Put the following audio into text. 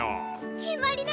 決まりね！